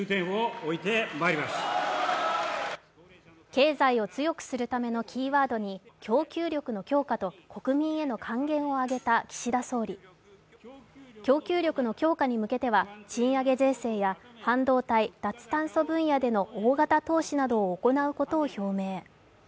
経済を強くするためのキーワードに供給力の強化と国民への還元を挙げた岸田総理供給力の強化に向けては賃上げ税制や半導体・脱炭素分野での大型投資などを行うことを表明。